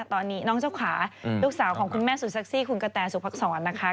ตอนนี้น้องเจ้าขาลูกสาวของคุณแม่สุดเซ็กซี่คุณกะแตสุภักษรนะคะ